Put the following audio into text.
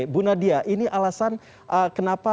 bu nadia ini alasan kenapa